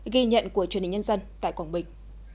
ghi nhận của truyền hình nhân dân tại quảng bình